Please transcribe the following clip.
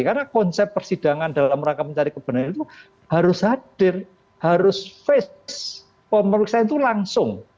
karena konsep persidangan dalam rangka mencari kebenaran itu harus hadir harus face pemeriksaan itu langsung